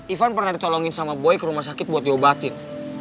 ivan pernah dicolongin sama boy ke rumah sakit buat diobatin